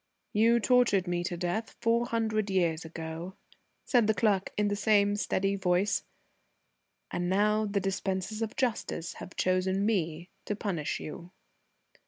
"You tortured me to death four hundred years ago," said the clerk in the same steady voice, "and now the dispensers of justice have chosen me to punish you."